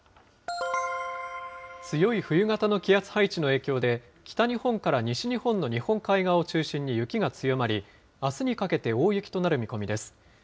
強い冬型の気圧配置の影響で、北日本から西日本の日本海側を中心に雪が強まり、あすにかけて大雪となる見込みです。